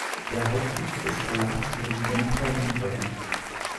Der Hauptsitz des Verlags wurde wieder nach Berlin verlegt.